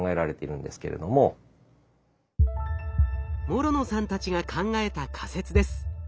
諸野さんたちが考えた仮説です。